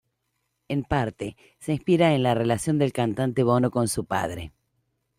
En parte, se inspira en la relación del cantante Bono con su padre.